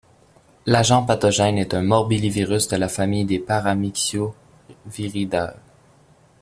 L’agent pathogène est un Morbillivirus de la famille des Paramyxoviridae.